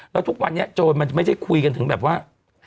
แล้วทุกวันนี้โจรมันไม่ได้คุยกันถึงแบบว่า